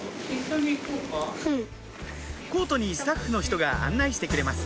コートにスタッフの人が案内してくれます